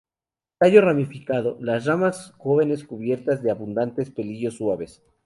Tallo ramificado, las ramas jóvenes cubiertas de abundantes pelillos suaves.